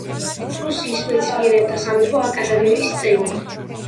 პრუსიის მეცნიერებათა სამეფო აკადემიის წევრი.